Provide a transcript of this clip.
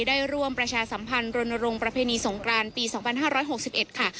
ได้ร่วมประชาสัมพันธ์รณรงค์ประเพณีสงกรานปี๒๕๖๑ค่ะ